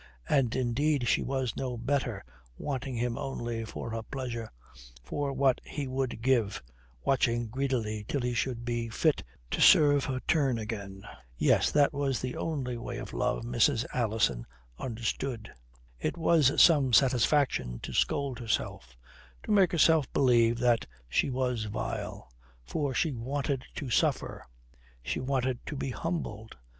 And, indeed, she was no better, wanting him only for her pleasure, for what he would give, watching greedily till he should be fit to serve her turn again. Yes, that was the only way of love Mrs. Alison understood. It was some satisfaction to scold herself, to make herself believe that she was vile. For she wanted to suffer, she wanted to be humbled.